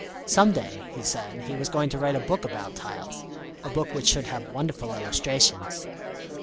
Some day, he said, he was going to write a book about tiles, a book which should have wonderful illustrations.